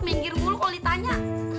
minggir mulu kalau ditanya